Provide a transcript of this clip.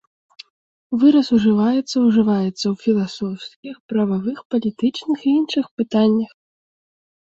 Выраз ужываецца ўжываецца ў філасофскіх, прававых, палітычных і іншых пытаннях.